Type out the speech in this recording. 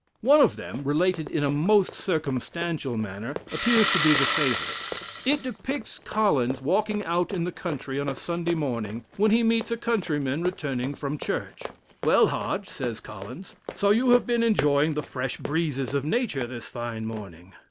One of them, related in a most circumstantial manner, appears to be the favorite. It depicts Collins walking out in the country on a Sunday morning, when he meets a countryman returning from Church. "Well, Hodge," says Collins, "so you have been enjoying the fresh breezes of nature, this fine morning."